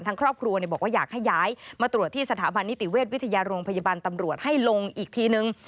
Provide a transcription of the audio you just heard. ทางครอบครัวบอกว่าอยากให้ย้ายมาตรวจที่สถาบันนิติเวชวิทยาโรงพยาบาลตำรวจให้ลงอีกทีนึง